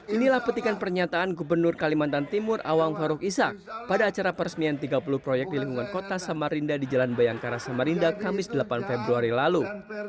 inilah petikan pernyataan gubernur kalimantan timur awang faruk isak pada acara peresmian tiga puluh proyek di lingkungan kota samarinda di jalan bayangkara samarinda kamis delapan februari lalu